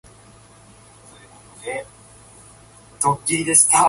She had her thyroid removed, underwent radioiodine therapy, and made a full recovery.